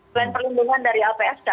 dengan perlindungan dari lpsk